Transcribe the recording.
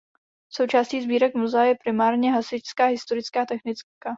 Součástí sbírek muzea je primárně hasičská historická technika.